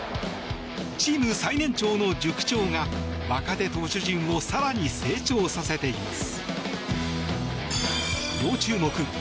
チーム最年長の塾長が若手投手陣を更に成長させています。